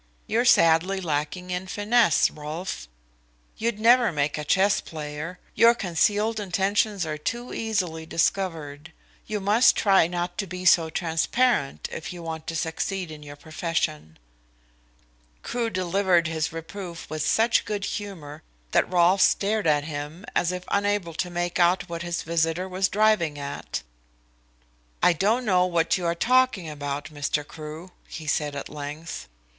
You're sadly lacking in finesse, Rolfe. You'd never make a chess player; your concealed intentions are too easily discovered. You must try not to be so transparent if you want to succeed in your profession." Crewe delivered his reproof with such good humour that Rolfe stared at him, as if unable to make out what his visitor was driving at. "I don't know what you are talking about, Mr. Crewe," he said at length.